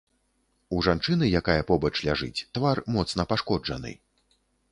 У жанчыны, якая побач ляжыць, твар моцна пашкоджаны.